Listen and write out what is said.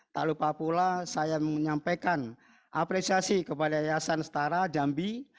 tak lupa pula saya menyampaikan apresiasi kepada yayasan setara jambi